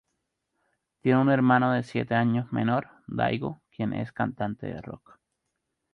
Tiene un hermano siete años menor, Daigo, quien es cantante de rock.